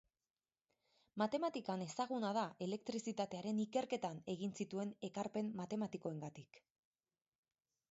Matematikan, ezaguna da elektrizitatearen ikerketan egin zituen ekarpen matematikoengatik.